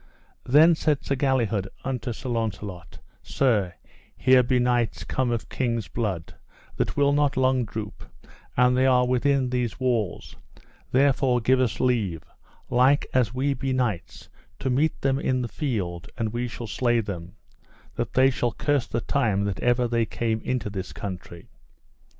Then said Sir Galihud unto Sir Launcelot: Sir, here be knights come of kings' blood, that will not long droop, and they are within these walls; therefore give us leave, like as we be knights, to meet them in the field, and we shall slay them, that they shall curse the time that ever they came into this country.